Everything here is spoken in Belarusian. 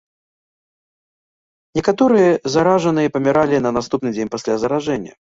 Некаторыя заражаныя паміралі на наступны дзень пасля заражэння.